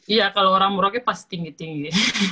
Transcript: iya kalau orang merauke pasti tinggi tinggi